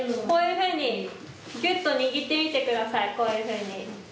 自分の手こういうふうにぎゅっと握っていってください。